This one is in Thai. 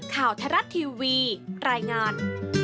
ข่าวทรัศน์ทีวีรายงาน